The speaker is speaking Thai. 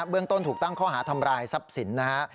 เรื่องต้นถูกตั้งข้อหาทำร้ายทรัพย์สินนะฮะ